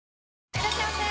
いらっしゃいませ！